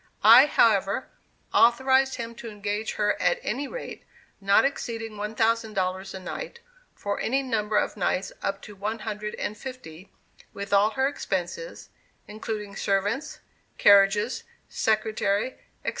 I, however, authorized him to engage her at any rate, not exceeding one thousand dollars a night, for any number of nights up to one hundred and fifty, with all her expenses, including servants, carriages, secretary, etc.